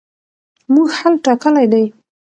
موږ حل ټاکلی دی.